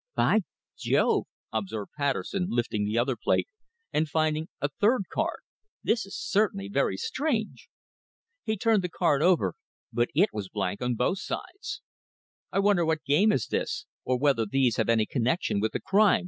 "By Jove!" observed Patterson, lifting the other plate, and finding a third card, "this is certainly very strange." He turned the card over, but it was blank on both sides. "I wonder what game is this, or whether these have any connexion with the crime?"